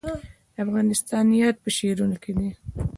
د افغانستان یاد په شعرونو کې دی